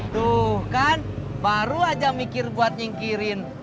tuh kan baru aja mikir buat nyingkirin